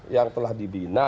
yang telah dibina